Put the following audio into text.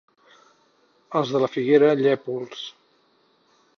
Els de la Figuera, llépols.